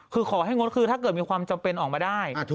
คือขอให้งดคือถ้าเกิดมีความจำเป็นออกมาได้